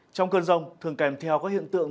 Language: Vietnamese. trong cơn rông thường kèm theo các hiện tượng